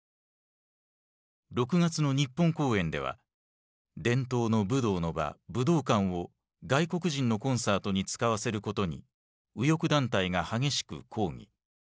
６月の日本公演では伝統の武道の場武道館を外国人のコンサートに使わせることに右翼団体が激しく抗議。